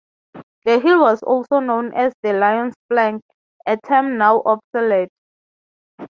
The hill was also known as "The Lion's Flank", a term now obsolete.